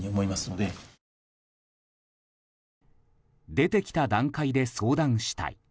「出てきた段階で相談したい」。